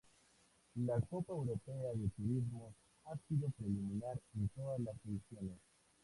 La Copa Europea de Turismos ha sido preliminar en todas las ediciones.